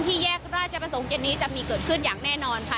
แยกราชประสงค์เย็นนี้จะมีเกิดขึ้นอย่างแน่นอนค่ะ